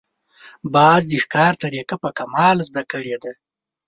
باز د ښکار طریقه په کمال زده کړې ده